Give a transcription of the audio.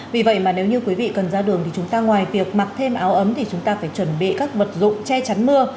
vì vậy mà nếu như quý vị cần ra đường thì chúng ta ngoài việc mặc thêm áo ấm thì chúng ta phải chuẩn bị các vật dụng che chắn mưa